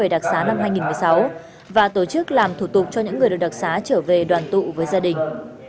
đặc xá năm hai nghìn một mươi sáu và tổ chức làm thủ tục cho những người được đặc xá trở về đoàn tụ với gia đình